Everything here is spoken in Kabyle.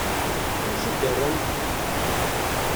Amek i d-rrant?